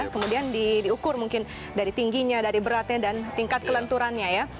kemudian diukur mungkin dari tingginya dari beratnya dan tingkat kelenturannya ya